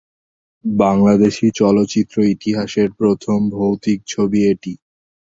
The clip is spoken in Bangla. বাংলাদেশী চলচ্চিত্র ইতিহাসের প্রথম ভৌতিক ছবি এটি।